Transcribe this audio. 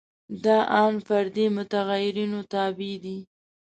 دا ان فردي متغیرونو تابع دي.